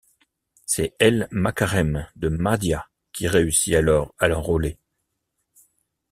C’est El Makarem de Mahdia qui réussit alors à l’enrôler.